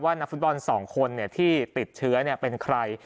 นักฟุตบอล๒คนที่ติดเชื้อเป็นใคร